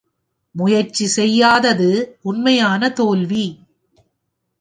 முயற்சி செய்யாதது உண்மையான தோல்வி.